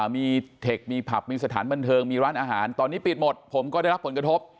มีเทคมีผับมีสถานบันเทิงมีร้านอาหารตอนนี้ปิดหมดผมก็ได้รับผลกระทบ